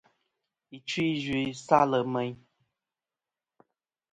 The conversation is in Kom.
Ɨchfɨ̀-iyvɨ-i salɨ meyn.